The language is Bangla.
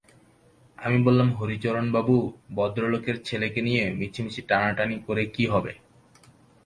আমি বললুম, হরিচরণবাবু, ভদ্রলোকের ছেলেকে নিয়ে মিছিমিছি টানাটানি করে কী হবে?